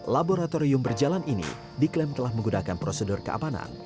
laboratorium berjalan ini diklaim telah menggunakan prosedur keamanan